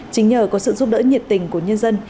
chính nhờ có sự giúp đỡ nhiệt tình của nhân dân